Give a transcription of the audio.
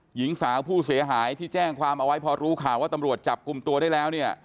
หญิงสาวผู้เสียหายที่แจ้งความเอาไว้พอรู้ข่าวว่าตำรวจจับกลุ่มตัวได้แล้วเนี่ย